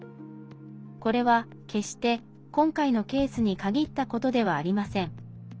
これは決して今回のケースに限ったことではありません。